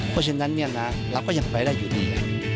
เพราะฉะนั้นเราก็ยังไปได้อยู่ดี